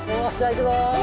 いくぞ！